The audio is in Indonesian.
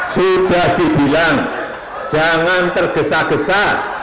sudah dibilang jangan tergesa gesa